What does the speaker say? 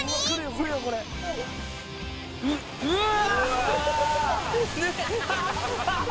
うわ！